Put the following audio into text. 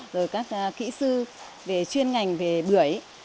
rồi các kỹ sư chuyên ngành về bưởi